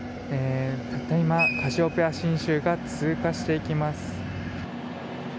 たった今「カシオペア信州」が通過していきます。